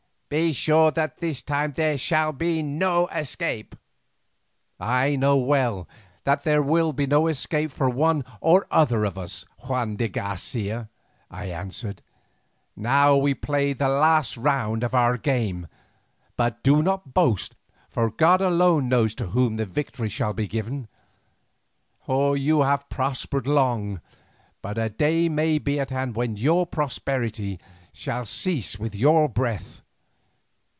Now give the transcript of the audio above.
Be sure that this time there shall be no escape." "I know well that there will be no escape for one or other of us, Juan de Garcia," I answered. "Now we play the last round of the game, but do not boast, for God alone knows to whom the victory shall be given. You have prospered long, but a day may be at hand when your prosperity shall cease with your breath.